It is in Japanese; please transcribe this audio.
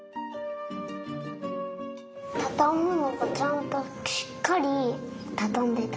たたむのがちゃんとしっかりたたんでた。